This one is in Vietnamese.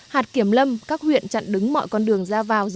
hạt kiểm lâm các huyện chặn đứng mọi con đường